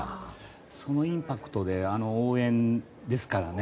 そのインパクトであの応援ですからね。